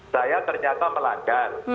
saya ternyata melanggar